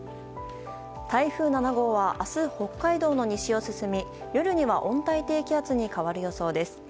台風７号は明日、北海道の西を進み夜には温帯低気圧に変わる予想です。